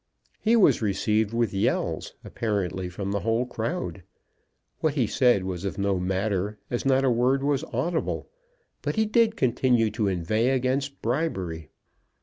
He was received with yells, apparently from the whole crowd. What he said was of no matter, as not a word was audible; but he did continue to inveigh against bribery.